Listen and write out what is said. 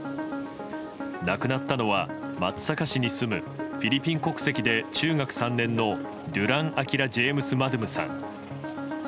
亡くなったのは松阪市に住むフィリピン国籍で中学３年生のドゥラン・アキラ・ジェームス・マドゥムさん。